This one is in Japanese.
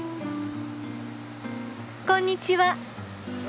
こんにちは。